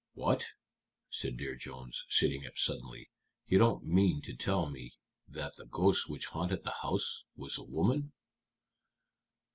"What?" said Dear Jones, sitting up suddenly. "You don't mean to tell me that the ghost which haunted the house was a woman?"